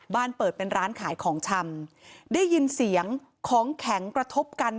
เปิดเป็นร้านขายของชำได้ยินเสียงของแข็งกระทบกัน